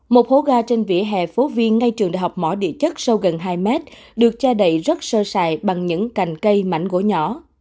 một hố ga trên vỉa hè phố viên ngay trường đại học mỏ địa chất sâu gần hai mét được che đầy rất sơ sài bằng những cành cây mảnh gỗ nhỏ